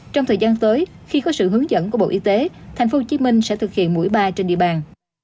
trong thời gian tới khi có sự hướng dẫn của bộ y tế tp hcm sẽ thực hiện mũi ba trên địa bàn